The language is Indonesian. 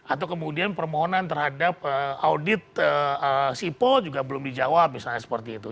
atau kemudian permohonan terhadap audit sipol juga belum dijawab misalnya seperti itu